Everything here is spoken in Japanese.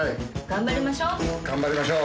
頑張りましょう。